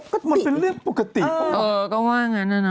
คือไม่งั้น